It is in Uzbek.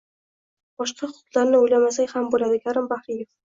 boshqa huquqlarni o‘ylamasak ham bo‘ladi» – Karim Bahriyev